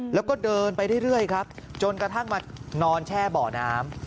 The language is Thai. แล้วก็เดินไปเรื่อยครับจนกระทั่งมานอนแช่เบาะน้ำ